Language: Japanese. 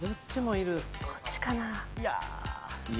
こっちかな。